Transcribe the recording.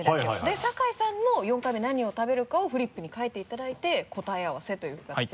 で酒井さんも４貫目何を食べるかをフリップに書いていただいて答え合わせという形で。